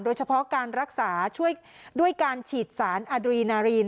โดยเฉพาะการรักษาช่วยด้วยการฉีดสารอาดรีนารีน